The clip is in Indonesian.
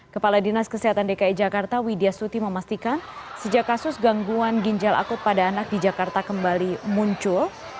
kepala dinas kesehatan dki jakarta widya suti memastikan sejak kasus gangguan ginjal akut pada anak di jakarta kembali muncul